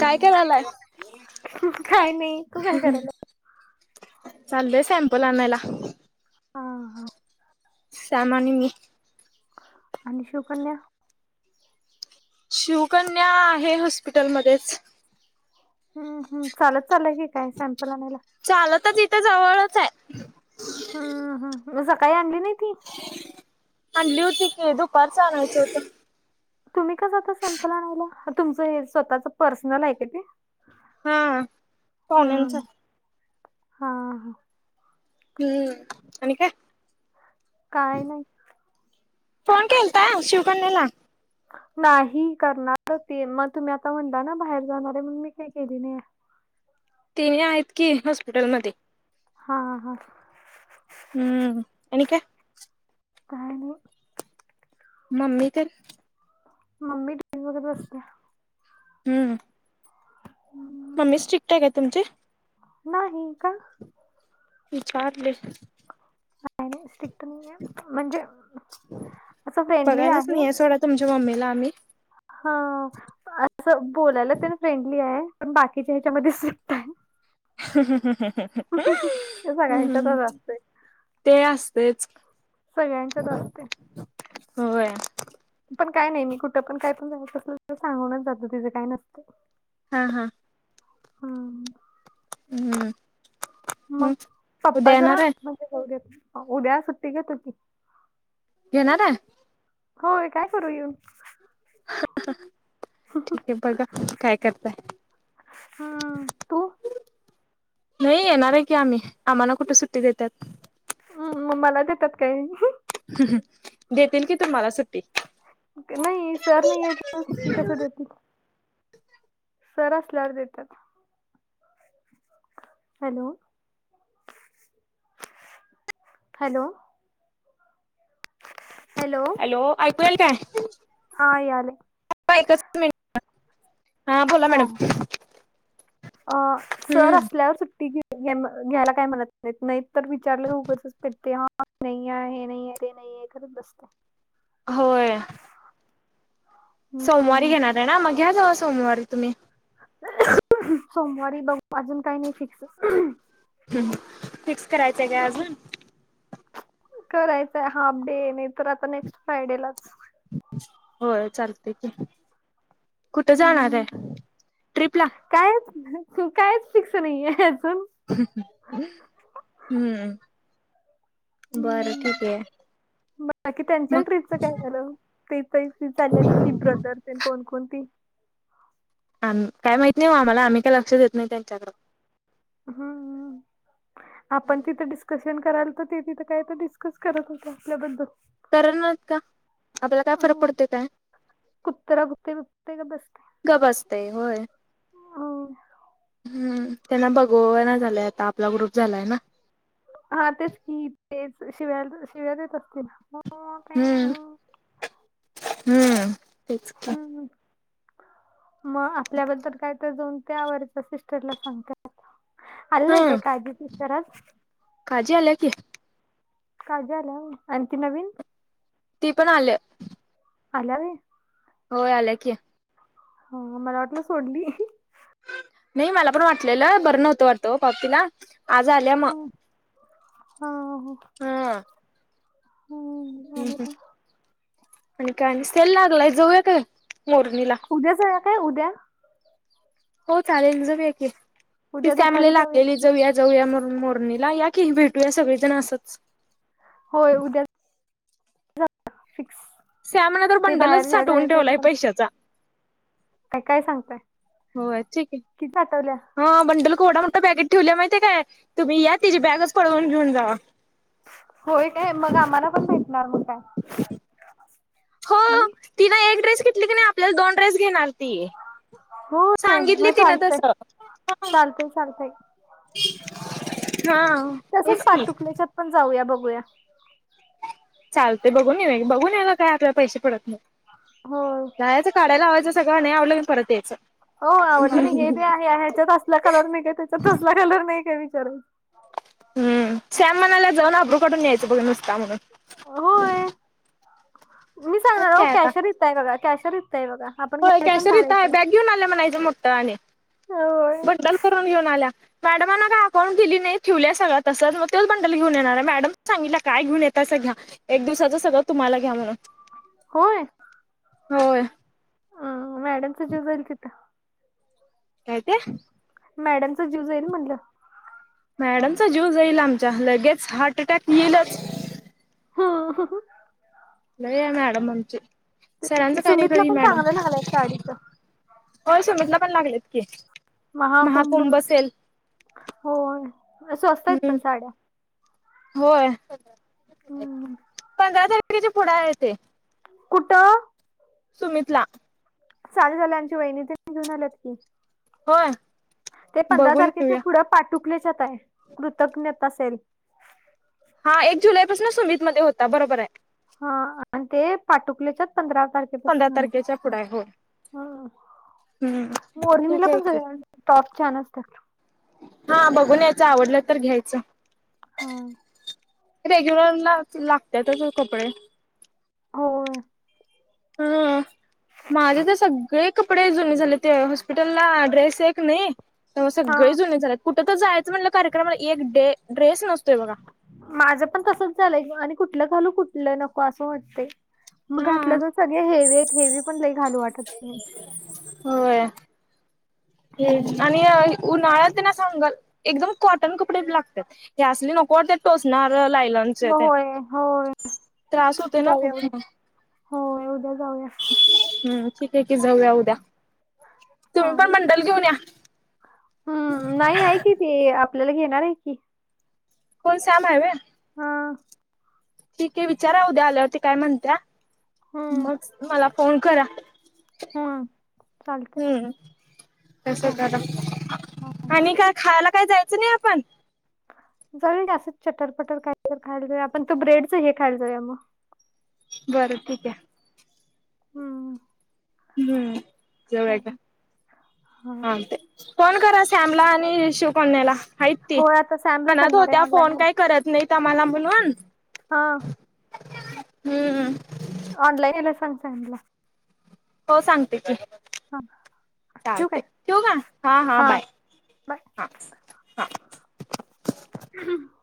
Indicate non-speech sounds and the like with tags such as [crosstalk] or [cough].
काय करायलाय? काय नाही तू काय करायला? चाललोय सॅमपल आणायला. हा हा सॅम आणि मी. आणि शिवकन्या शिवकन्या आहे हॉस्पिटलमध्येच. हम्म हम्म चालत चाललय की काय सॅम्पल आणायला? चालतचं इथं जवळच आहे. हम्म हम्म म काही आणली नाही ती? आणली होती की दुपारच्या आणायचं होतो. तुम्ही का जाता सॅम्पल आणायला तुमचं हे स्वतःच पर्सनल आहे का ते? हा पाहुण्यांचा. हम्म. हा हा. हम्म आणि काय? काय नाय. फोन केलता शिवकन्याला? नाही करणार होती म तुम्ही आता म्हणला ना बाहेर जाणार आहे म्हणून मी काही केली नाही. तिने आहेत की हॉस्पिटलमध्येध्ये. हा हा. हम्म. आणि काय काय नाय मम्मी तर मम्मी टीव्ही बघत बसते. हम्म. हम्. मम्मी स्ट्रिक्ट आहे काय तुमची? नाही का? विचारले [inaudible] नाय स्स्ट्रिक्ट नाही आहे म्हणजे असं फ्रेंडली बघायलाच आहे नाही सोडा तुमच्या मम्मीला आम्ही. हा असं बोलायला तर फ्रेंडली आहे पण बाकीच्या ह्याच्यामध्ये स्ट्रिक्ट आहे. [unintelligible] ते हम्म सगळ्यांच्यातच असतंय. ते असतेच सगळ्यांनच्यात असते. हो वया पण काय नाही मी कुठं पण काय पण जायचं असल सांगूनच जाते तेझ काय नसतं. हा हा. हां [unintelligible] मग उद्या पप्पा येणार जरा आहे म्हणजे जाउ देत, उद्या सुट्टी घेतात कि. येणारा होय काय करू येऊन? ठीके आहे बघा काय करताय? हम्म तू नाही येणार आहे की आम्ही आम्हाला कुठे सुट्टी देत्यात. म मला देत्यात काय. देतील की तुम्हाला सुट्टी. क नाही सर नाहीयेत तेव्हा सुट्टी कसं देतील? सर असल्यावर देतात. हॅलो हॅलो हॅलो हॅलो ऐकूयंल काय? हा याले. [inaudible] एकच मीनट हा बोला मॅडम. आ सर हम्म असल्यावर सुट्टी घे घे म घ्यायला काय म्हणत नाही नाही तर विचारलं तर ऊगच पेटतय हा नाही आहे हे नाही आहे ते नाही नाही आहे करत असता होय सोमवारी हम्म घेणार आहे ना मग घ्या जावा सोमवारी तुम्ही. सोमवारी बघू अजून काही नाही फिक्स. हम्म फिक्स करायचंय काय अजून? करायचंय हाफ डे नाही तर आता नेक्स्ट फ्रायडे लाच. होय चालतय की कुठं जाणार आहे ट्रिप ला. कायच कायच फीक्स नाहीये अजून. हम्म बरं ठीक आहे. बाकी त्यांच्या मग ट्रीपच काय झालं? काय काय ती चालतं होती ब्रदरतेन कोणकणती? आम काय माहित नाही ओ‌ आम्हाला आम्ही काय लक्ष देत नाही त्यांच्याकड. हम्म आपण तिथं डिस्कस तेन करायला तर ते तिथं काय तर डिस्कस करत होते आपल्याबद्दल. तर नाटकं का आपल्याला काय फरक अं, पडतोय काय. कुत्रा भूकतय भूकतय गप्प बसते गप असतय होय हो. हम्म त्यांना बघवा ना झालंय आता आपला ग्रुप झालाय ना. हा तेच की तेच शिव्याल शिव्या देत असतील. हो, ते, हम्म हो. हम्म तेच की. हम्म. मग आपल्याबद्दल काय तर जाऊन त्यावरच्या सिस्टरला सांगत्यात. आली नाही हम्म का‌य काजी सिस्टर आज? काजी आल्या की. काजी आल्या होय आणि ती नवीन? ती पण आलं. आल्या होय? होय आल्या की. हा मला वाटलं सोडली. नाही मला पण वाटलेलं बरं नव्हतं वाटतं पावतीला आज आल्या म हा हो. हा. हो. हम्म हम्म आणि काय सेल लागलाय जाऊया काय मोरणीला? उद्या जाऊया, काय उद्या? हो चालेल जाऊया की, उद्या तीच [unintelligible] दुपारी जाऊया का? लागलेली जाऊयात. जाऊया म्हणुन मोरणीला या कि भेटूया सगळेजण असंच. होय उद्या [unintelligible] फिक्स. श्यामनं तर ते बंडलच बाहेर जा- साठवून जाण्याच्या ठेवलाय ह्याच्यात पैशाचा. काय काय सांगताय होय, ठीक आहे. किती आठवल्या हा बंडल केवढा मोठा बॅगेत ठेवल्या माहितेय काय? तुम्ही या तिची बॅगच पळवून घेऊन जावा. होय काय, मग आम्हाला पण भेटणार मग काय. हो हम् तिन एक ड्रेस घेतली की नाही आपल्याला दोन ड्रेस घेणार ती. होय मग सांगितली तिनं चालतय तसं. चालतय चालतय हा. तसंच तेच की. पाटुकल्याच्यात पण जाऊया बघूया. चालतेय बघून येऊया बघून यायला काय आपल्या पैशे पडत नाही. होय. जायचं काढाय लावायच सगळं नाही आवडलं म्हणून परत यायचं. हो आवडलं नाही हे ते आहे ह्याच्यात असला कलर नाही काय, त्याच्यात असला कलर नाही काय विचारून हम्म, श्याम म्हणालाय जाऊन अब्रु काढून यायचं बघ नुसता म्हणून. होय मी मग सांगणार ओ इथं काय आता कॅशर हाय बघा, कॅशर इथं हाय बघा आपण होय घेयाच आणि कॅशर इथं आहे पाडायचं. बॅग घेऊन आल्या म्हणायचं मोठ आणि होय बंडल करून घेऊन आल्या. मॅडमांना काय अकाउंट दिली नाही, ठेवल्या सगळ्या तसंच. मग तोच बंडल घेऊन येणार आहे. मॅडमनं सांगितल्या काय घेऊन येतायसा घ्या. एक दिवसाचं सगळं तुम्हाला घ्या म्हणून. होय? होय. हं मॅडमच जीव जाईल तिथं. काय ते? मॅडमचं जीव जाईल म्हणलं. मॅडमचा जीव जाईल आमच्या, लगेच हार्ट अटॅक येईलच. [unintelligible] लई हाय मॅडम आमची. तेच सरांच की काय नाही खरं सुमितला हि पण मॅडम चांगलं लागलंय साडीच हो सुमीतला पण लागलेत की महाकुंभ सेल. हो स्वस्त हाईत हम्म पण साड्या. होय. हम्म. पंधरा तारखेचे पुढं आहे ते. कुठं? सुमितला. चाल झालंय. आमची वहिणी तेन घेऊन आल्यात की. होय? ते पंधरा बघून तारखेच्या घेऊया पुढं पाटुकलेच्यात आहे कृतज्ञता सेल. हा एक जुलैपासनं सुमितमध्ये होता बरोबर हाय. हा आणि ते पाटुकल्याच्यात पंधरा पंधरा तारखेपासून हाय. तारखेच्या पुढं आहे होय हो. हम्म ठीक मोरनीला आहे पण की जाऊया टॉप छान असतात. हा बघून यायचं, आवडलं तर घ्यायचं. हा. रेग्युरला लागत्यातच ओ कपडे. होय. हं माझी तर सग लई कपडे जुनी झाले ते हॉस्पिटलला ड्रेस एक नाही, त्यामुळे हा सगळे जुने झाल्यात. कुठ तर जायचं म्हटलं कार्यक्रमाला एक डे ड्रेस नसतोय बघा. माझ पण तसच झालंय आणि कुठलं घालू, कुठलं नको असं वाटतंय. मग घातलं हा. तर सगळ हेवी आहेत, हेवी पण लई घालू वाटतं नाही. होय. हम्म. आणि उन्हाळ्यात ना असं अंगात एकदम कॉटन कपडे लागतात हे असली नको वाटत्यात टोचणार लायलन मग होय होय. त्रास होतोय ना खूप जाऊया उद्या मग होय उद्या जाऊया हम्म. ठीक आहे की जाऊया उद्या. तुम्ही पण चालेल बंडल घेऊन या. हम्म नाही आहे कि ते आपल्याला घेणार आहे की. कोण श्याम हाय होय? हा. ठीक आहे विचारा उद्या आल्यावर ती काय म्हणत्या, हम्म मग मला फोन करा. हम्म चालते हम्म. तस चालेल करा आणि काय? खायला काय जायचं नाही आपण? जाऊया की असंच चटरपटर कायतर खायला जाऊया. आपण तो ब्रेडच हे खायला जाऊया मग बरं ठीक आहे. हम्म. हम्म जाऊया की चालेल हा चालतंय. फोन करा शामला आणि शिवकन्याला. हातत ती. हो आता सॅमला म्हणत करणार आहे होत्या फोन ऑनलाईन काही करत नाहीत आम्हाला म्हणून. हा. हम्म. ऑनलाईन यायला सांग त्यानला. हो सांगते की. हा चालतय ठेऊ काय मग? हा, हा बाय बाय हा. हा [inaudible]